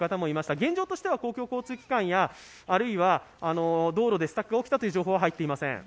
現状としては公共交通機関や道路でスタックが起きたという情報は入っていません。